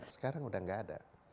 sekarang sudah tidak ada